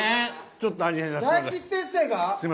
ちょっと味変させてください。